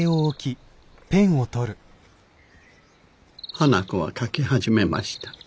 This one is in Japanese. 花子は書き始めました。